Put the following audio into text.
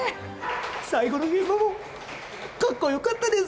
最後の現場もカッコよかったです